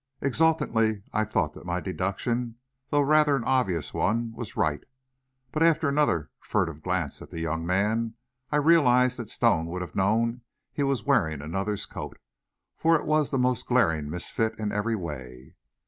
Exultantly I thought that my deduction, though rather an obvious one, was right; but after another furtive glance at the young man, I realized that Stone would have known he was wearing another's coat, for it was the most glaring misfit in every way.